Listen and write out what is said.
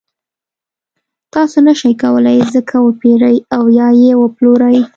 تاسو نشئ کولای ځمکه وپېرئ او یا یې وپلورئ.